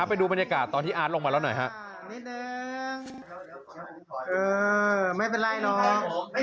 อ่าไปดูบรรยากาศตอนที่อาร์ดลงมาแล้วหน่อยฮะนิดนึงไม่เป็นไรน้อง